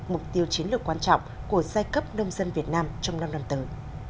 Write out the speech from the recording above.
mục tiêu chiến lược quan trọng của giai cấp nông dân việt nam trong năm năm tới